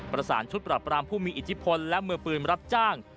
ประสานชุดปรับรามผู้มีอิทธิพลและมือปืนรับจ้าง